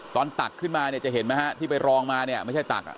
ตักขึ้นมาเนี่ยจะเห็นไหมฮะที่ไปรองมาเนี่ยไม่ใช่ตัก